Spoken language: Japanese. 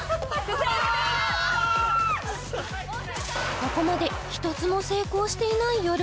ここまで一つも成功していないよる